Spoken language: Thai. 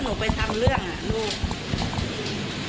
หนูไปทำเรื่องอ่ะลูก